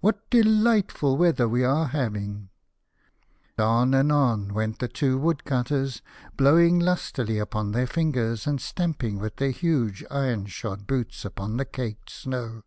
what delightful weather we are having !" On and on went the two Woodcutters, blowing lustily upon their fingers, and stamp ing with their huge iron shod boots upon the caked snow.